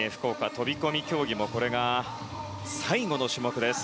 飛込競技もこれが最後の種目です。